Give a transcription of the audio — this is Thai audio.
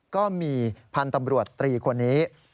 ก็มีพันธุ์ตำรวจตรีคนนี้